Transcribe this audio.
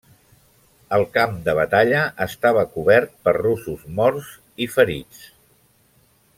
El camp de batalla estava cobert per russos morts i ferits.